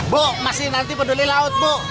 bu masih nanti peduli laut bu